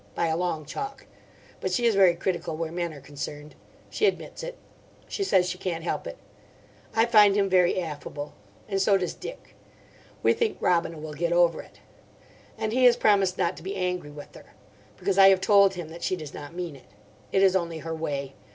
By a long chalk. But she is very critical where men are concerned. She admits it. She says she can't help it. I find him very affable. And so does Dick. We think Robina will get over it. And he has promised not to be angry with her. Because I have told him that she does not mean it. It is only her way.